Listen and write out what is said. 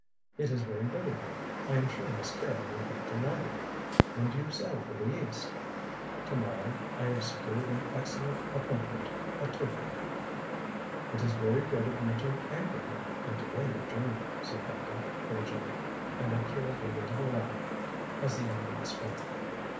"It is very good of you. I am sure Miss Carrol will be delighted. When do you sail for the East?" "To morrow. I have secured an excellent appointment at Tokio." "It is very good of you to anchor here, and delay your journey," said Basil cordially; and Akira gave a little laugh as the young man spoke.